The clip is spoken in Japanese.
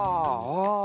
ああ。